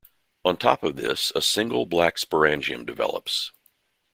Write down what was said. On top of this, a single, black sporangium develops.